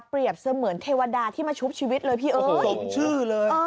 เปรียบเสมือนเทวดาที่มาชุบชีวิตเลยพี่เอ๋ยโอ้โหตกชื่อเลยอ่า